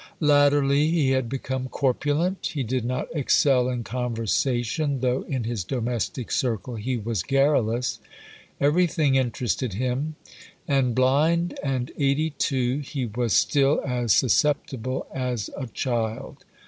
Latterly he had become corpulent. He did not excel in conversation, though in his domestic circle he was garrulous. Everything interested him; and blind, and eighty two, he was still as susceptible as a child.